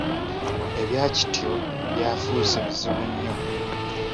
Ebya Kityo by’afuuse bizibu nnyo.